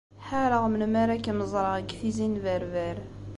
Ḥareɣ melmi ara kem-ẓreɣ deg Tizi n Berber.